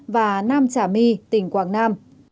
và nam trả my tỉnh quảng nam